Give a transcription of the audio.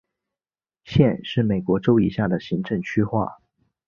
县是美国州以下的行政区划。